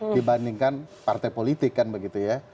dibandingkan partai politik kan begitu ya